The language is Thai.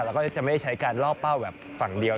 เราก็จะไม่ใช้การล่อเป้าแบบฝั่งเดียว